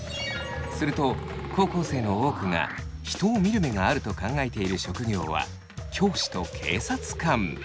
すると高校生の多くが人を見る目があると考えている職業は教師と警察官。